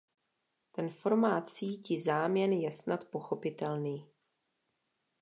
Ten formát sítí záměn je snad pochopitelný.